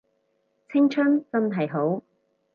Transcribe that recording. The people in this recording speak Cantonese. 青春真係好